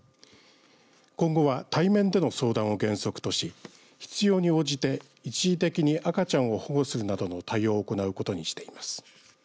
今後は対面での相談を原則とし必要に応じて一時的に赤ちゃんを保護するなどの対応を行うことにしています。